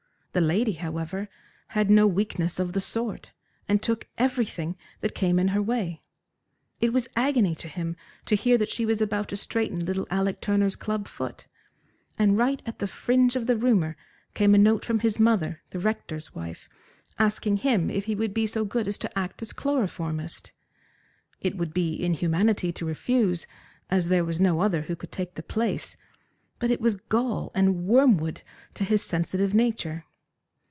The lady, however, had no weakness of the sort, and took everything that came in her way. It was agony to him to hear that she was about to straighten little Alec Turner's club foot, and right at the fringe of the rumour came a note from his mother, the rector's wife, asking him if he would be so good as to act as chloroformist. It would be inhumanity to refuse, as there was no other who could take the place, but it was gall and wormwood to his sensitive nature.